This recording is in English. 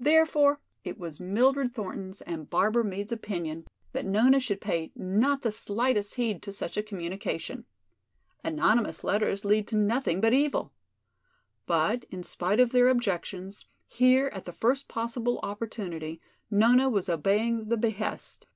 Therefore it was Mildred Thornton's and Barbara Meade's opinion that Nona should pay not the slightest heed to such a communication. Anonymous letters lead to nothing but evil. But in spite of their objections, here at the first possible opportunity Nona was obeying the behest.